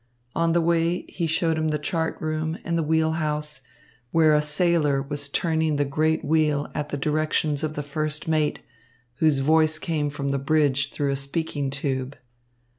On the way, he showed him the chart room and the wheel house, where a sailor was turning the great wheel at the directions of the first mate, whose voice came from the bridge through a speaking tube.